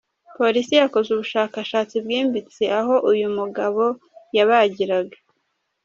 Polisi yakoze ubushakashatsi bwimbitse aho uyu mugabo yabagiraga.